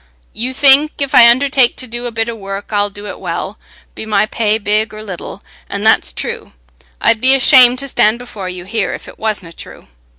You think, if I undertake to do a bit o' work, I'll do it well, be my pay big or little—and that's true. I'd be ashamed to stand before you here if it wasna true.